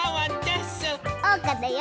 おうかだよ！